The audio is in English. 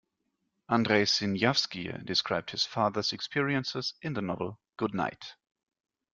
Andrei Sinyavsky described his father's experiences in the novel Goodnight!